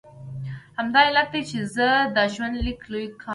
همدا علت دی چې زه دا ژوندلیک لوی کار ګڼم.